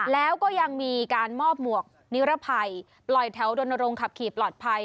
แล้วก็ยังมีการมอบหมวกนิรภัยปล่อยแถวดนรงค์ขับขี่ปลอดภัย